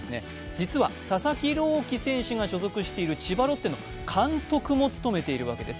実は、佐々木朗希選手が所属している千葉ロッテの監督も務めているわけです。